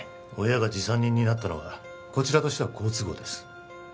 親が持参人になったのはこちらとしては好都合です